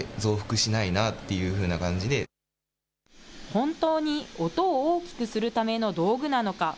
本当に音を大きくするための道具なのか。